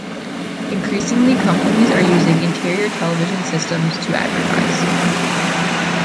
Increasingly, companies are using interior television systems to advertise.